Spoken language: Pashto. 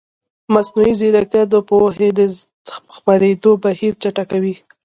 مصنوعي ځیرکتیا د پوهې د خپرېدو بهیر چټکوي.